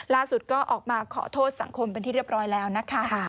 ก็ออกมาขอโทษสังคมเป็นที่เรียบร้อยแล้วนะคะ